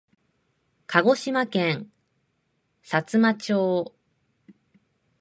鹿児島県さつま町